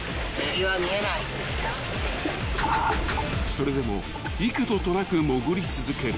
［それでも幾度となく潜り続ける］